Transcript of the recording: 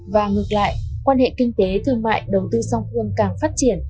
và ngược lại quan hệ kinh tế thương mại đầu tư song phương càng phát triển